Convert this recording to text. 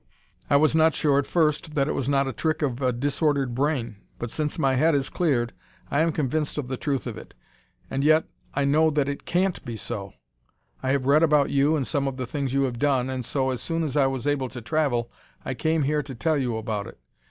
I was not sure at first that it was not a trick of a disordered brain, but since my head has cleared I am convinced of the truth of it ... and yet I know that it can't be so. I have read about you and some of the things you have done, and so as soon as I was able to travel I came here to tell you about it.